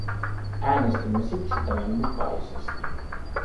Äänestimme siksi tämän mukaisesti.